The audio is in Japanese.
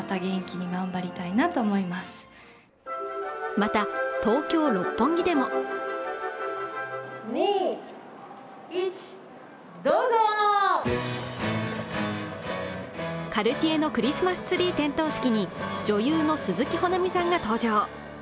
また、東京・六本木でもカルティエのクリスマスツリー点灯式に女優の鈴木保奈美さんが登場。